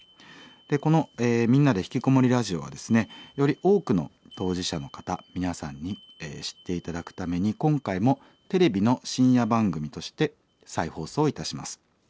この「みんなでひきこもりラジオ」はですねより多くの当事者の方皆さんに知って頂くために今回もテレビの深夜番組として再放送いたします。